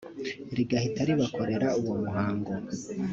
rigahita ribakorera uwo muhango